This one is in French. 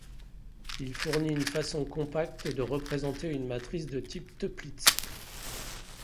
Il fournit une façon compacte de représenter une matrice de type Toeplitz.